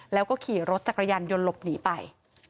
แล้วก็ขี่รถจักรยานยนต์หลบหนีไป